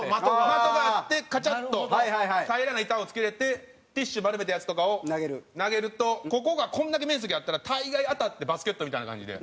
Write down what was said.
的があってカチャッと平らな板を付けれてティッシュ丸めたやつとかを投げるとここがこんだけ面積あったら大概当たってバスケットみたいな感じで。